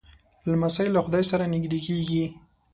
لمسی له خدای سره نږدې کېږي.